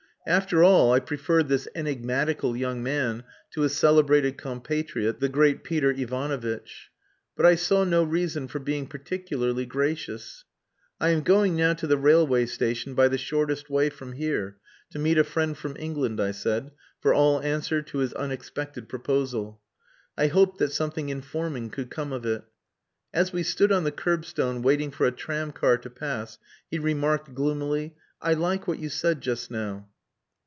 After all, I preferred this enigmatical young man to his celebrated compatriot, the great Peter Ivanovitch. But I saw no reason for being particularly gracious. "I am going now to the railway station, by the shortest way from here, to meet a friend from England," I said, for all answer to his unexpected proposal. I hoped that something informing could come of it. As we stood on the curbstone waiting for a tramcar to pass, he remarked gloomily "I like what you said just now."